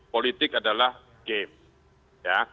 politik adalah permainan